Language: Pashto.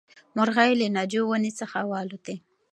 مرغۍ له ناجو ونې څخه والوتې.